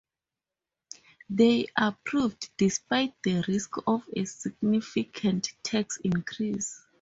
They approved, despite the risk of a significant tax increase.